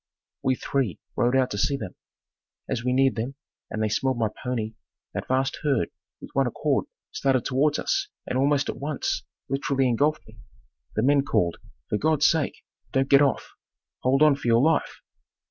We three rode out to see them. As we neared them, and they smelled my pony, that vast herd, with one accord, started towards us and almost at once literally engulfed me. The men called, "For God's sake, don't get off. Hold on for your life."